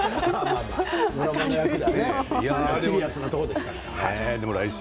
シリアスなところでしたから。